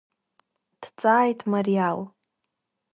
Дҵааит Мариал.